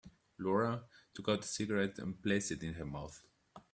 Laura took out a cigarette and placed it in her mouth.